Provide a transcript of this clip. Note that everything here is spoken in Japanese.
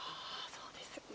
そうですよね。